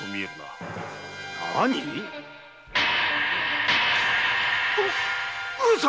何⁉上様！